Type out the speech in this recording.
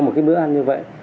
một cái bữa ăn như vậy